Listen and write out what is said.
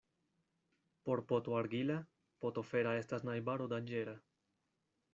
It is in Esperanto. Por poto argila poto fera estas najbaro danĝera.